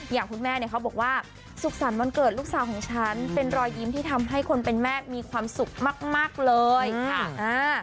อย่างคุณแม่เนี่ยเขาบอกว่าสุขสรรค์วันเกิดลูกสาวของฉันเป็นรอยยิ้มที่ทำให้คนเป็นแม่มีความสุขมากมากเลยค่ะอ่า